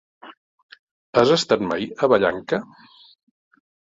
Has estat mai a Vallanca?